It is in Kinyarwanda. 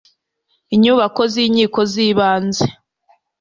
inyubako z'inkiko z'ibanze